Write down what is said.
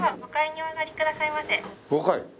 「はい。